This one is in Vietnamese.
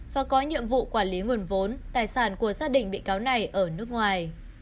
và có nhiệm vụ quản lý nguồn vốn tài sản của gia đình bị cáo này ở nước ngoài